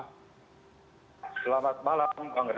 selamat malam bang renhar